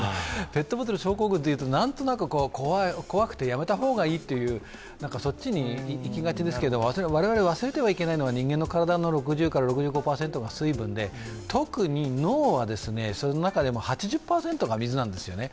ペットボトル症候群というとなんとなく怖くてやめた方がいいという、そっちにいきがちですが我々、忘れてはいけないのは人間の体の６０から６４％が水分で、特に脳はその中でも８０％が水なんですよね。